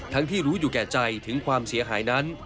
ที่รู้อยู่แก่ใจถึงความเสียหายนั้น